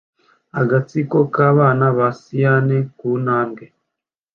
Agatsiko k'abana ba asiyani ku ntambwe